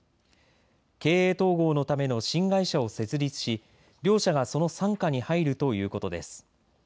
経営統合のための新会社を設立し両社がその傘下に入るということです。